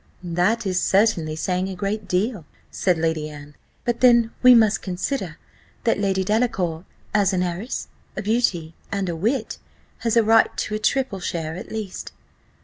"That is certainly saying a great deal," said Lady Anne; "but then we must consider, that Lady Delacour, as an heiress, a beauty, and a wit, has a right to a triple share at least."